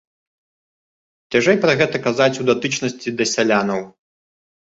Цяжэй пра гэта казаць у датычнасці да сялянаў.